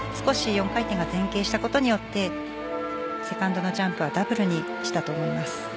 少し４回転が前傾したことによってセカンドのジャンプはダブルにしたと思います。